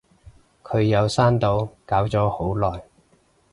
佢有刪到，搞咗好耐